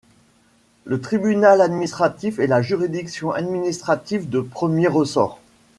Le tribunal administratif est la juridiction administrative de premier ressort.